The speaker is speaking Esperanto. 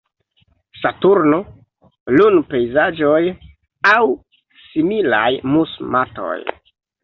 Saturno, lunpejzaĝoj, aŭ similaj mus-matoj.